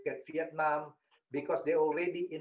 karena mereka sudah membeli